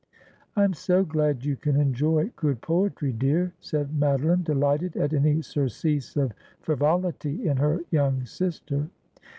'I am so glad you can enjoy good poetry, dear,' said Made line, delighted at any surcease of frivolity in her young sister.